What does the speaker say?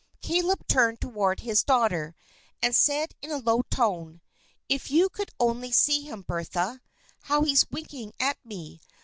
Caleb turned toward his daughter, and said in a low tone, "If you could only see him, Bertha, how he's winking at me.